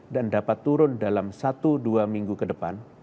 dan dapat turun dalam satu dua minggu ke depan